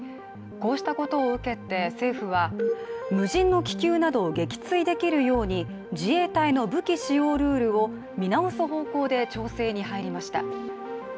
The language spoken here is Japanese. こうしたことを受けて、政府は無人の気球などを撃墜できるように自衛隊の武器使用ルールを見直す方向で調整に入りました。